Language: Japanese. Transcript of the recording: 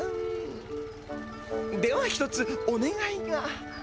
では一つおねがいが。